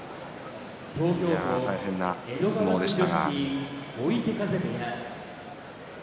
大変な相撲でした。